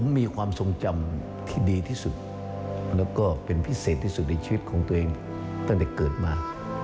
มีความทรงจำที่ดีที่สุดแล้วก็เป็นพิเศษที่สุดในชีวิตของตัวเองตั้งแต่เกิดมา